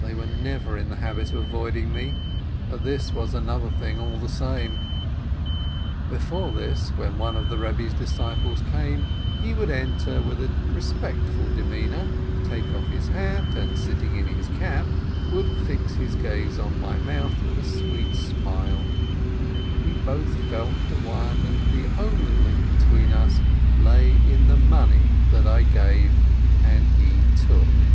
They were never in the habit of avoiding me, but this was another thing all the same. Before this, when one of the Rebbe's disciples came, he would enter with a respectful demeanor, take off his hat, and, sitting in his cap, would fix his gaze on my mouth with a sweet smile ; we both felt that the one and only link between us lay in the money that I gave and he took.